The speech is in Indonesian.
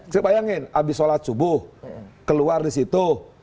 saya bayangin abis sholat subuh keluar di situ